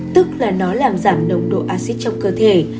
tức là nó làm giảm nồng độ acid trong cơ thể